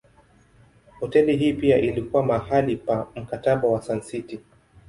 Hoteli hii pia ilikuwa mahali pa Mkataba wa Sun City.